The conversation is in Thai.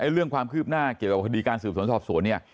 เรื่องความคืบหน้าเกี่ยวกับคดีการสืบสวนสอบสวนเนี่ย